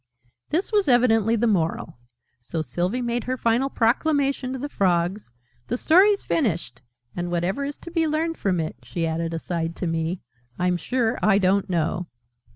This was evidently the Moral: so Sylvie made her final proclamation to the Frogs. "The Story's finished! And whatever is to be learned from it," she added, aside to me, "I'm sure I don't know!"